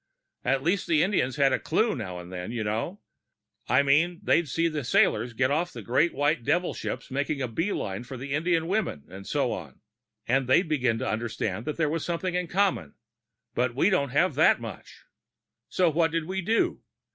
At least the Indians had a clue now and then, you know I mean they'd see the sailors off the great white devil ship making a beeline for the Indian women and so on, and they'd begin to understand there was something in common. But we didn't have that much. "So what did we do?